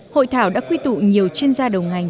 hội thảo đã quy tụ nhiều chuyên gia đầu ngành